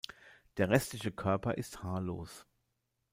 Der restliche Körper ist haarlos.